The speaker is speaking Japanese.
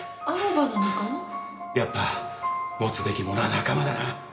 やっぱり持つべきものは仲間だな！